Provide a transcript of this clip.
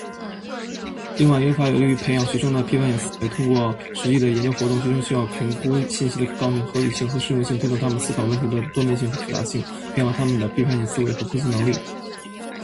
另外，研究法有利于培养学生的批判性思维。通过实际的研究活动，学生需要评估信息的可靠性、合理性和适用性，推动他们思考问题的多面性和复杂性，培养了他们的批判性思维和分析能力。